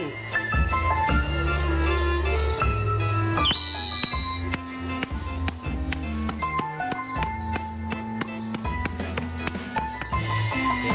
ฮือด้านนี้ไหน